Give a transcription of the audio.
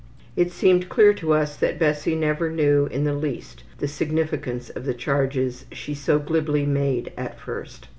It seemed clear to us that Bessie never knew in the least the significance of the charges she so glibly made at first.